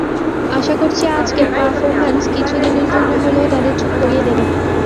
আশা করছি, আজকের পারফরম্যান্স কিছুদিনের জন্য হলেও তাদের চুপ করিয়ে দেবে।